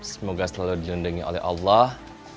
semoga selalu dilindungi oleh allah